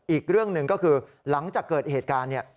อีกเรื่องหนึ่งก็คือหลังจากเกิดเหตุการณ์เนี่ย